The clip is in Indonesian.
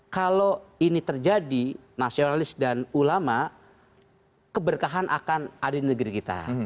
kalau ini terjadi nasionalis dan ulama keberkahan akan ada di negeri kita